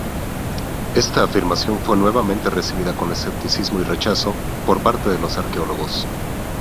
Esta afirmación fue nuevamente recibida con escepticismo y rechazo por parte de los arqueólogos.